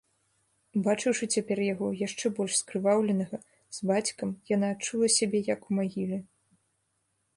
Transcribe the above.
Убачыўшы цяпер яго, яшчэ больш скрываўленага, з бацькам, яна адчула сябе як у магіле.